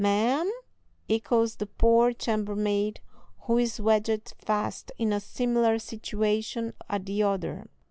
"Ma'am!" echoes the poor chambermaid, who is wedged fast in a similar situation at the other.